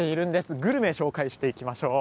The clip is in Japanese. グルメを紹介していきましょう。